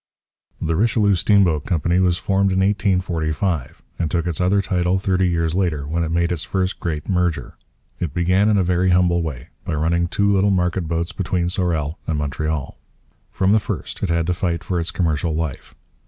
The Richelieu Steamboat Company was formed in 1845, and took its other title thirty years later, when it made its first great 'merger.' It began in a very humble way, by running two little market boats between Sorel and Montreal. From the first it had to fight for its commercial life.